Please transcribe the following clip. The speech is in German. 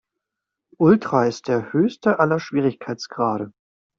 Ultra ist der höchste aller Schwierigkeitsgrade.